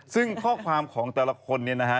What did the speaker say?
ซึ่งข้อความของแต่ละคนเนี่ยนะฮะ